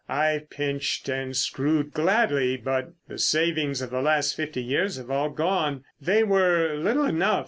I've pinched and screwed, gladly; but the savings of the last fifty years have all gone. They were little enough.